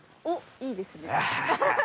おっいいですね。